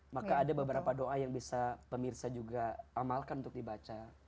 maka ada beberapa doa yang bisa pemirsa juga amalkan untuk dibaca